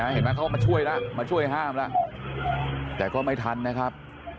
เห็นไหมเขามาช่วยแล้วมาช่วยห้ามแล้วแต่ก็ไม่ทันนะครับ